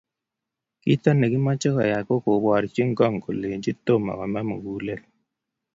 Kito nekimeche koyay ko kuborchu ngong kolenji toma kome mugulel.